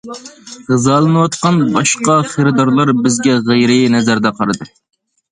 غىزالىنىۋاتقان باشقا خېرىدارلار بىزگە غەيرىي نەزەردە قارىدى.